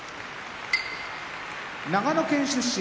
長野県出身